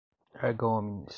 erga omnes